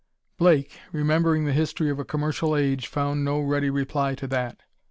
Blake, remembering the history of a commercial age, found no ready reply to that.